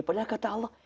padahal kata allah